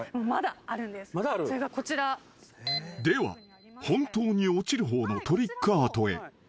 ［では本当に落ちる方のトリックアートへ］